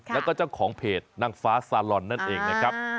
แล้วก็เจ้าของเพจนางฟ้าซาลอนนั่นเองนะครับ